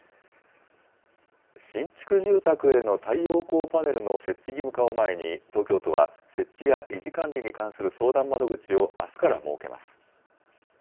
新築住宅への太陽光パネルの設置義務化を前に東京都は、設置や維持管理に関する相談窓口をあすから設けます。